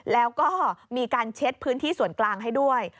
แล้วก็มีการเช็ดพื้นที่ส่วนกลางให้ด้วย